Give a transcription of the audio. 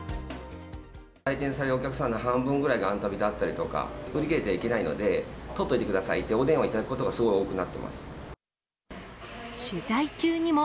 来店されるお客さんの半分ぐらいはあんたびだったりとか、売り切れてはいけないので、取っといてくださいってお電話いただくことがすごい多くなってい取材中にも。